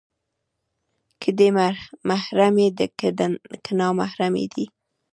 که دې محرمې، که نامحرمې دي